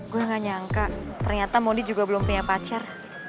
gue gak nyangka ternyata mondi juga belum punya pacar